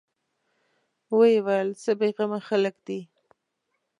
ويې ويل: څه بېغمه خلک دي.